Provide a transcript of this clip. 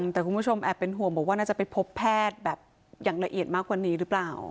แต่คุณผู้ชมแอบเป็นห่วงบอกว่าน่าจะไปพบแพทย์แบบอย่างละเอียดมากกว่านี้หรือเปล่า